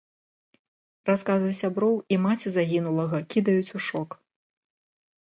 Расказы сяброў і маці загінулага кідаюць у шок.